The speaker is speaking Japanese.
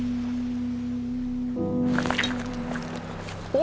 お！